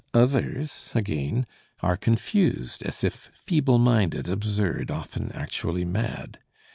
Others, again, are confused, as if feeble minded, absurd, often actually mad.